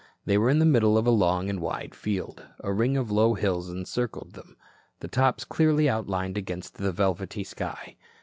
They were in the middle of a long and wide field. A ring of low hills encircled them, the tops clearly outlined against the velvety sky.